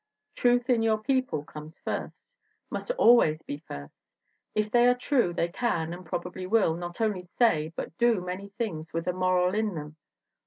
Truth in your people comes first, must always be first; if they are true they can, and probably will, not only say but do many things with a moral in them.